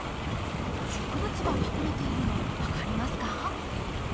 植物が隠れているの分かりますか？